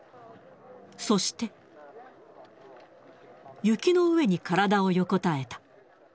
そして、雪の上に体を横たえた。